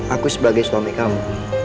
aku sebagai suami kamu